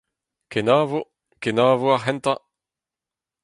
Kenavo ! kenavo ar c’hentañ !…